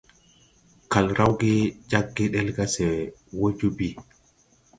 Kal rawge jag gedel ga se wɔ joo bii.